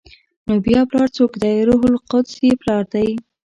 نو بیا پلار څوک دی؟ روح القدس یې پلار دی؟